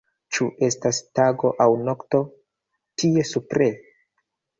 Ĉu estas tago aŭ nokto, tie, supre?